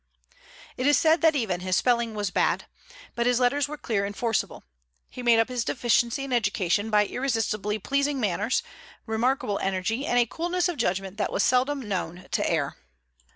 It is said that even his spelling was bad; but his letters were clear and forcible. He made up his deficiency in education by irresistibly pleasing manners, remarkable energy, and a coolness of judgment that was seldom known to err.